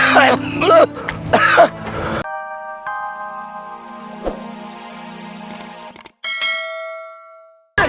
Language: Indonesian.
ibu kan sudah bilang